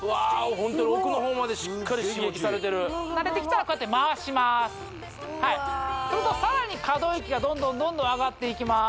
ホントに奥のほうまでしっかり刺激されてる慣れてきたらこうやって回しますするとさらに可動域がどんどんどんどん上がっていきます